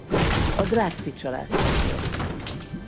A Drágffy család tagja.